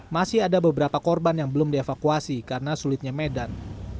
masih ada beberapa korban yang belum dievakuasi karena sulitnya medan